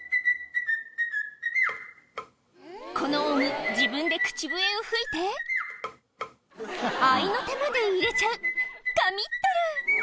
このオウム自分で口笛を吹いて合いの手まで入れちゃう神ってる！